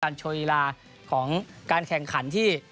การโชวิราการแข่งขันที่